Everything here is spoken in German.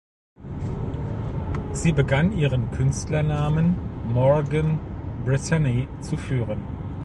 Sie begann ihren Künstlernamen "Morgan Brittany" zu führen.